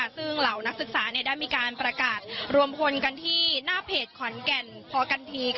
ซึ่งเหล่านักศึกษาได้มีการประกาศรวมพลกันที่หน้าเพจขอนแก่นพอกันที